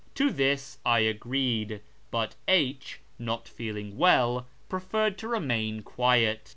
To this I agreed, but H , not feeling well, preferred to remain quiet.